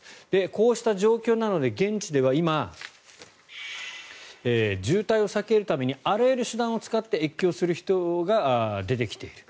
こうした状況なので現地では今渋滞を避けるためにあらゆる手段を使って越境する人が出てきている。